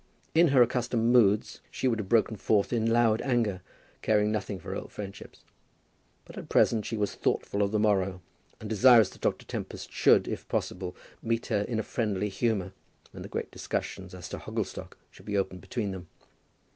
In her accustomed moods she would have broken forth in loud anger, caring nothing for old friendships; but at present she was thoughtful of the morrow, and desirous that Dr. Tempest should, if possible, meet her in a friendly humour when the great discussion as to Hogglestock should be opened between them.